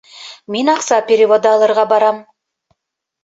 Мин аҡса переводы алырға барам